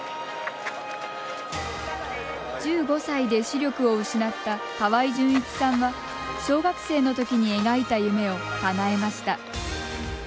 １５歳で視力を失った河合純一さんは小学生のときに描いた夢をかなえました。